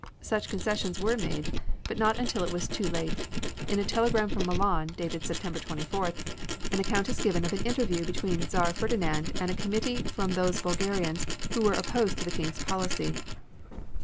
Such concessions were made, but not until it was too late. In a telegram from Milan dated September 24th, an account is given of an interview between Czar Ferdinand and a committee from those Bulgarians who were opposed to the King's policy.